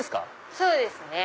そうですね。